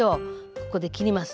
ここで切ります。